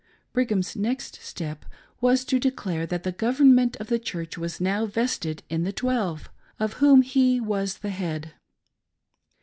Brigham's next step was to declare that the government of the Church was now vested in the Twelve, of whom he was the head.